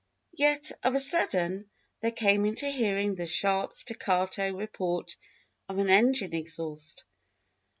Yet, of a sudden, there came into hearing the sharp, staccato report of an engine exhaust.